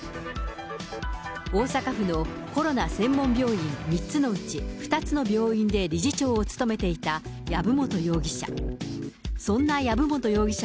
大阪府のコロナ専門病院３つのうち２つの病院で理事長を務めていた籔本容疑者。